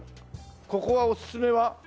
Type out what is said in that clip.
ここはおすすめは？